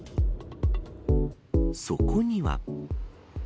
そこには。